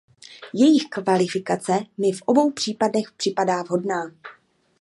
Jejich kvalifikace mi v obou případech připadá vhodná.